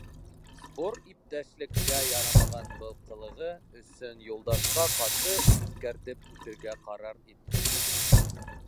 Сбор иптәшлеккә ярамаған был ҡылығы өсөн Юлдашҡа ҡаты иҫкәртеп үтергә ҡарар итте.